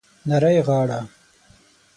نرۍ غاړه